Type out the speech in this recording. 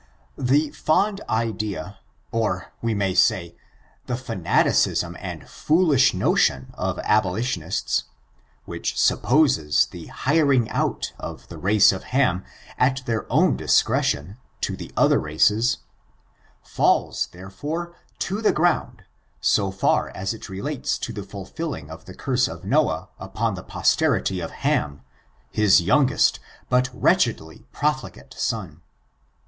The fond idea, or we may say the fanaticism and ^^h^^^k^ ^^^*I0^0^^^^0^0^ 99S ORIOIK, CHARACTER, AND foolish notion of abolitionists, which supposes fhe hiring out of the race of Ham, at their ovm disero* lion, to the other races, falls, therefore, to the gronnd, so far as it relates to the fulfilling of the curse of Noah up on the pojrterity of £fiim, his youngest, but wretched ly profligate, son.